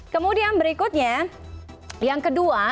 kemudian berikutnya yang kedua